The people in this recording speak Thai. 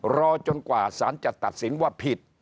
รอจนกว่าสารจะตัดสินว่าผิด